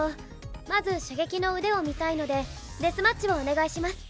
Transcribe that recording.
まず射撃の腕を見たいのでデスマッチをお願いします。